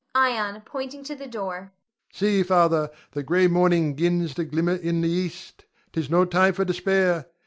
Ion [pointing to the door]. See, the gray morning 'gins to glimmer in the east. 'Tis no time for despair.